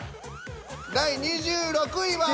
第２６位は。